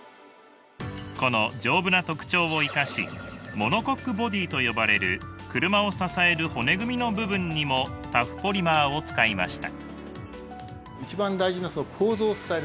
この丈夫な特徴を生かしモノコックボディと呼ばれる車を支える骨組みの部分にもタフポリマーを使いました。